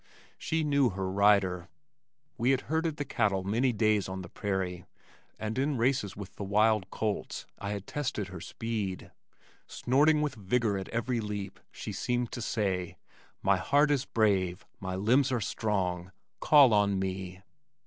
She knew her rider. We had herded the cattle many days on the prairie, and in races with the wild colts I had tested her speed. Snorting with vigor at every leap she seemed to say, "My heart is brave, my limbs are strong. Call on me."